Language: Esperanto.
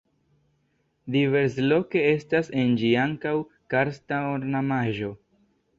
Diversloke estas en ĝi ankaŭ karsta ornamaĵo.